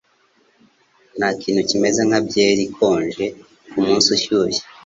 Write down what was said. Ntakintu kimeze nka byeri ikonje kumunsi ushushe.